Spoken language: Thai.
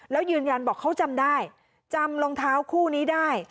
แล้วยืนยันบอกเขาจำได้จำรองเท้าคู่นี้ได้